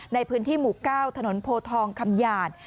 ในพื้นที่หมู่๙ถนนโพทองคำหยาด